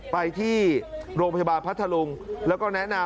ไปที่โรงพยาบาลพัทธรุงแล้วก็แนะนำ